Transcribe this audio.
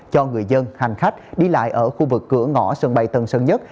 cho người dân hành khách đi lại ở khu vực cửa ngõ sân bay tân sơn nhất